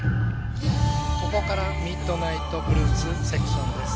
ここからミッドナイトブルースセクションです。